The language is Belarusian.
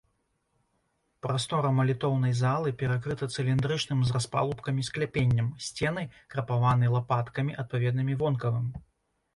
Прастора малітоўнай залы перакрыта цыліндрычным з распалубкамі скляпеннем, сцены крапаваны лапаткамі, адпаведнымі вонкавым.